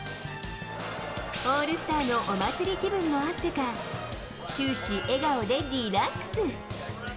オールスターのお祭り気分もあってか、終始、笑顔でリラックス。